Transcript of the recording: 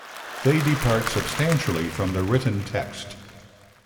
They depart substantially from the written text.